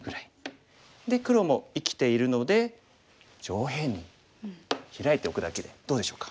で黒も生きているので上辺にヒラいておくだけでどうでしょうか。